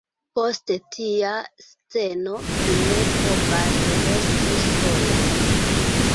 Post tia sceno, vi ne povas resti sola.